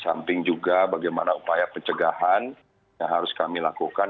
samping juga bagaimana upaya pencegahan yang harus kami lakukan